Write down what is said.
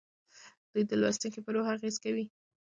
دوی د لوستونکي په روح اغیز کوي.